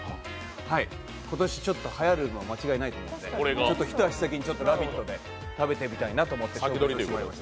今年ちょっとはやるのは間違いないと思うので一足先に「ラヴィット！」で食べてみたいなと思って。